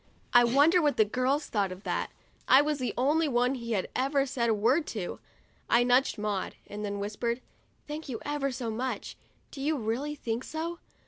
I wonder what the girls thought of that ; I was the only one he had ever said a word to. I nudged Maud, and then I whispered, "Thank you ever so much. Do you really think so?'